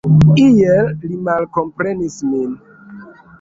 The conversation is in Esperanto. Iel li malkomprenis min.